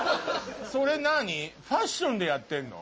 それファッションでやってんの？